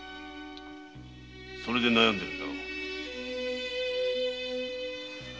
それで悩んでいるのだろう。